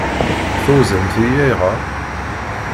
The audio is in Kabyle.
Tɣunzamt-iyi ayɣer?